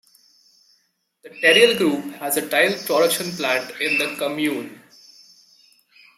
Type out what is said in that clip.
The Terreal Group has a tile production plant in the commune.